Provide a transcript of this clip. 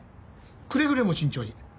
くれぐれも慎重に。